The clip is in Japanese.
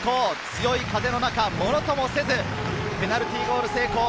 強い風の中、もろともせずペナルティーゴール成功！